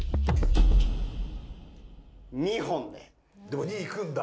でも２いくんだ！